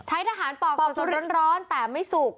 ใช้ทหารปอกทุเรียนปอกร้อนแต่ไม่สุก